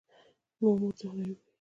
زما مور دې خدای وبښئ